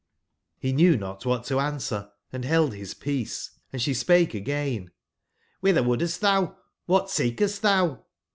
He knew not what to answer, and held his peace; and she spake again : OIhither wouldest thou , what scckest thou